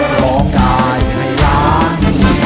ร้องได้ให้ล้าน